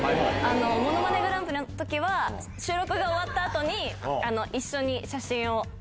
ものまねグランプリのときは収録が終わったあとに、一緒に写真を。